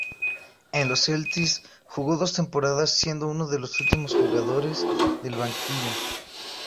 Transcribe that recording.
En los Celtics jugó dos temporadas siendo uno de los últimos jugadores del banquillo.